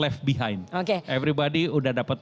left behind everybody udah dapat